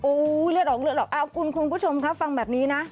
โอ้ยเลือดออกเลือดออกเอ้าคุณคุณผู้ชมครับฟังแบบนี้นะ